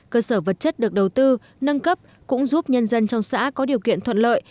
cơ sở vật chất được đầu tư nâng cấp cũng giúp nhân dân trong xã có điều kiện thuận lợi